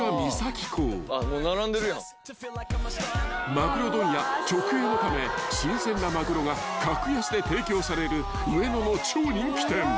［マグロ問屋直営のため新鮮なマグロが格安で提供される上野の超人気店］